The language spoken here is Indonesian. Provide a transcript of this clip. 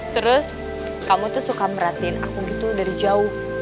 terus kamu tuh suka merhatiin aku gitu dari jauh